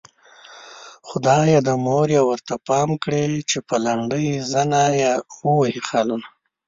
خدايه د مور يې ورته پام کړې چې په لنډۍ زنه يې ووهي خالونه